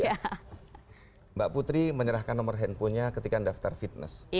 pertama saya putri menyerahkan nomor handphonenya ketika daftar fitness